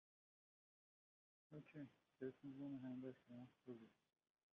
Initially all the teens are considered Pennon, the lowest rank of warrior.